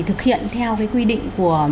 thực hiện theo quy định